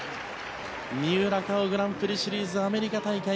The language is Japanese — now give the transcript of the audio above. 三浦佳生、グランプリシリーズアメリカ大会